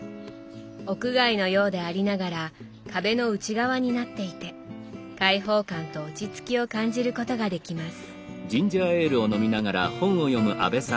屋外のようでありながら壁の内側になっていて開放感と落ち着きを感じることができます。